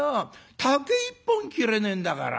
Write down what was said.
竹一本切れねえんだから。